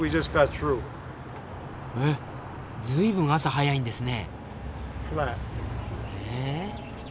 えっ随分朝早いんですね。